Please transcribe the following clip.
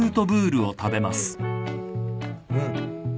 うん。